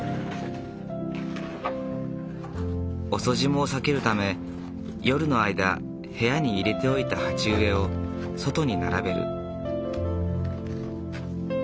遅霜を避けるため夜の間部屋に入れておいた鉢植えを外に並べる。